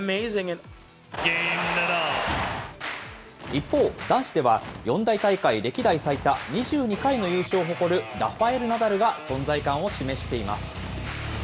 一方、男子では四大大会歴代最多、２２回の優勝を誇るラファエル・ナダルが存在感を示しています。